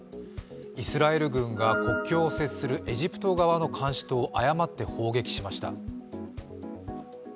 イスラエル軍が国境を接するエジプトの監視塔を誤って砲撃しました。